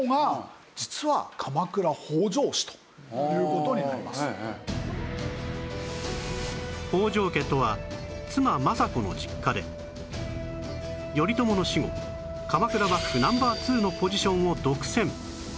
結局やっぱり北条家とは妻政子の実家で頼朝の死後鎌倉幕府ナンバー２のポジションを独占！